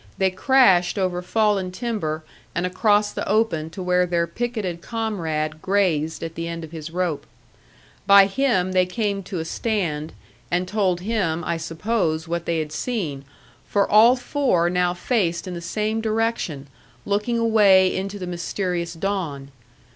They crashed over fallen timber and across the open to where their picketed comrade grazed at the end of his rope. By him they came to a stand, and told him, I suppose, what they had seen; for all four now faced in the same direction, looking away into the mysterious dawn.